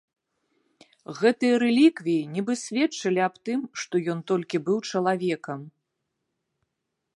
Гэтыя рэліквіі нібы сведчылі аб тым, што ён толькі быў чалавекам.